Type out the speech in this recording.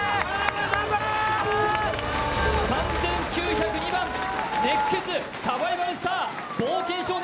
３０９２番、熱血サバイバルスター「冒険少年」